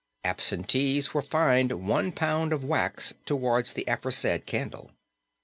Absentees were fined one pound of wax towards the aforesaid, candle.